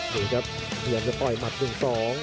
ดูครับพยายามจะปล่อยหมัดหนึ่งสอง